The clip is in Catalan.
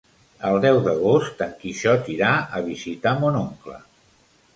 El deu d'agost en Quixot irà a visitar mon oncle.